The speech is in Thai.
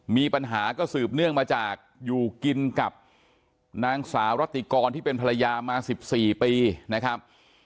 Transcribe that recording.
มีปัญหาก็สืบเนื่องมาจากอยู่กินกับนางสาวรัติกรที่เป็นภรรยามา๑๔ปีนะครับ